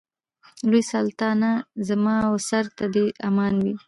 لوی سلطانه زما و سر ته دي امان وي